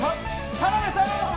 田辺さん！